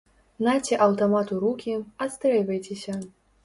Наце аўтамат у рукі, адстрэльвайцеся!